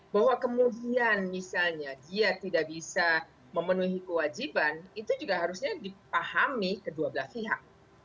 bahwa kemudian misalnya dia tidak bisa memenuhi kewajiban itu juga harusnya dipahami kedua belah pihak